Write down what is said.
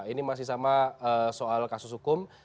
ini masih sama soal kasus hukum